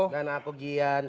dan aku jian